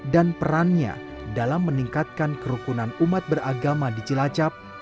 perannya dalam meningkatkan kerukunan umat beragama di cilacap